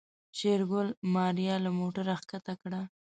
شېرګل ماريا له موټره کښته کړه.